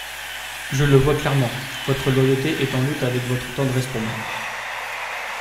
Je le vois clairement … Votre loyauté est en lutte avec votre tendresse pour moi.